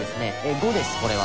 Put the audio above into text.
「５」です、これは。